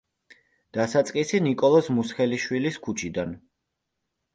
დასაწყისი ნიკოლოზ მუსხელიშვილის ქუჩიდან.